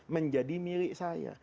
menjadi milik saya